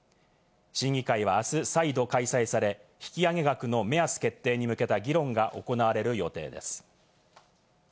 審議会はあす再度開催され、引き上げ額の目安決定に向けた議論が行われる予定です。